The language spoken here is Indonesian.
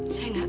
saya nggak tahu